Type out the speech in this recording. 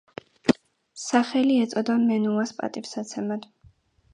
სახელი ეწოდა მენუას პატივსაცემად.